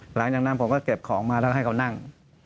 หลังจากนั้นผมก็เก็บของมาแล้วให้เขานั่ง